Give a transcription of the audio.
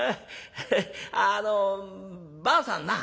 あのばあさんな